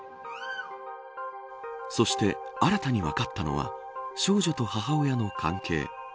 そして、新たに分かったのは少女と母親の関係。